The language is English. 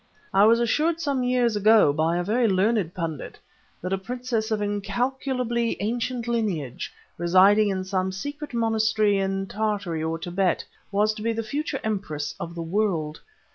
I was assured some years ago, by a very learned pundit, that a princess of incalculably ancient lineage, residing in some secret monastery in Tartary or Tibet, was to be the future empress of the world.